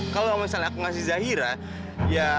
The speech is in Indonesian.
kalau misalnya aku ngasih zahira ya